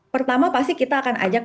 pertama pasti kita akan ajak